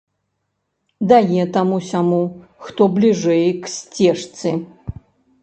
Дае таму-сяму, хто бліжэй к сцежцы.